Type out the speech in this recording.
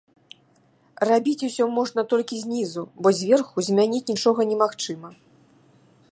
Рабіць усё можна толькі знізу, бо зверху змяніць нічога немагчыма.